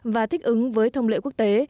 và thích ứng với thông lệ quốc tế